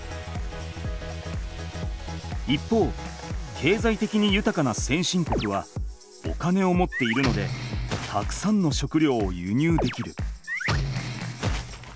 一方けいざいてきにゆたかな先進国はお金を持っているのでたくさんの食料を輸入できる。